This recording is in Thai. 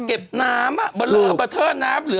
โทษทีน้องโทษทีน้อง